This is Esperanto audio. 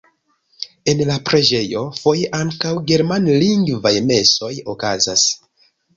En la preĝejo foje ankaŭ germanlingvaj mesoj okazas.